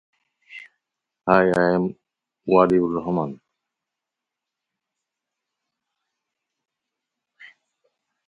However, both color spaces are nonlinear in terms of psychovisually perceived color differences.